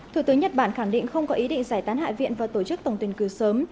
thủ tướng nhật bản khẳng định không có ý định giải tán hạ viện và tổ chức tổng tuyển cử sớm